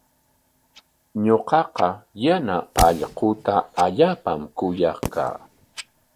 Ñuqaqa yana allquuta allaapam kuyaq kaa.